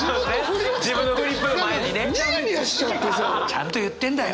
ちゃんと言ってんだよ！